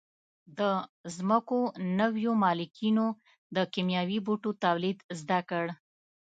د ځمکو نویو مالکینو د کیمیاوي بوټو تولید زده کړ.